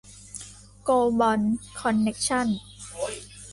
โกลบอล คอนเน็คชั่นส์